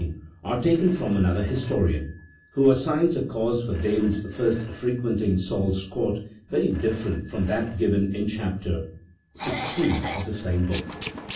17, 18, are taken from another his torian, who assigns a cause for David's first frequenting Saul's court very different from that given in chap. xvi. of the same book.